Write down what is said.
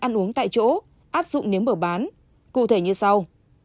ăn uống tại chỗ áp dụng nếm bở bán cụ thể như sau